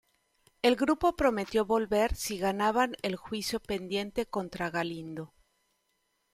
El grupo prometió volver si ganaban el juicio pendiente contra Galindo.